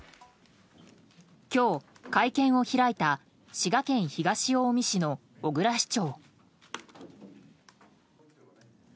今日、会見を開いた滋賀県東近江市の小椋市長。